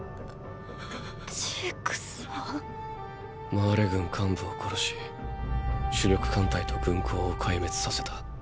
マーレ軍幹部を殺し主力艦隊と軍港を壊滅させた。